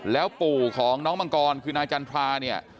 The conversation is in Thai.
แล้วปู่ของน้องมังกรคือนายจันทราเนี่ย